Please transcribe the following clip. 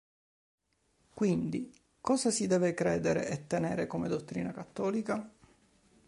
Quindi cosa si deve credere e tenere come dottrina cattolica?